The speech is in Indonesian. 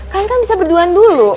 kalian kan bisa berduaan dulu